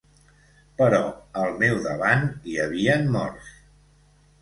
Però al meu davant hi havien morts.